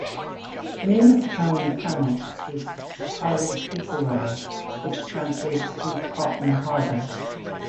The name of the town in Tamil is 'Paruthithurai', which translates to 'Cotton Harbour'.